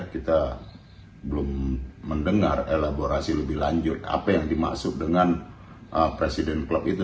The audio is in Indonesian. kita belum mendengar elaborasi lebih lanjut apa yang dimaksud dengan presiden klub itu